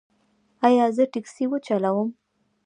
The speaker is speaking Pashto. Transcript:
ایا زه باید ټکسي وچلوم؟